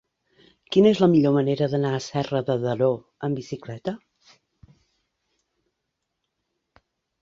Quina és la millor manera d'anar a Serra de Daró amb bicicleta?